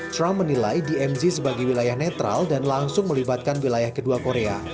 trump menilai dmz sebagai wilayah netral dan langsung melibatkan wilayah kedua korea